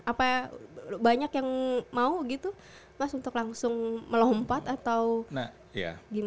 apa banyak yang mau gitu mas untuk langsung melompat atau gimana